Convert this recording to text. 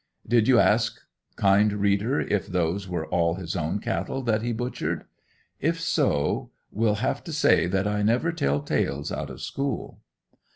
Did you ask kind reader, if those were all his own cattle that he butchered? If so, will have to say that I never tell tales out of school.